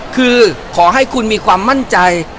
คือขอให้คุณมีความมั่นใจ